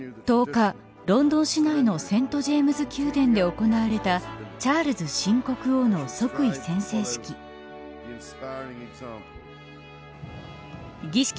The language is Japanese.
１０日、ロンドン市内のセントジェームズ宮殿で行われたチャールズ新国王の即位宣誓式。